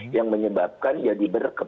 yang menyebabkan jadi berkeputusan